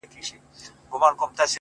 زما گراني مهرباني گلي !